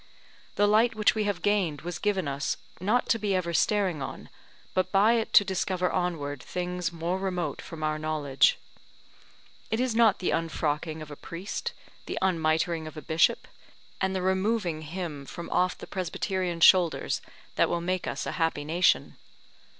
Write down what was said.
The light which we have gained was given us, not to be ever staring on, but by it to discover onward things more remote from our knowledge. It is not the unfrocking of a priest, the unmitring of a bishop, and the removing him from off the presbyterian shoulders, that will make us a happy nation.